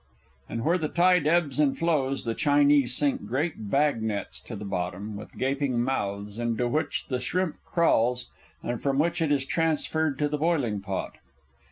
And where the tide ebbs and flows, the Chinese sink great bag nets to the bottom, with gaping mouths, into which the shrimp crawls and from which it is transferred to the boiling pot.